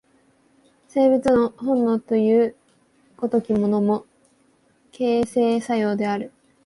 生物の本能という如きものも、形成作用である。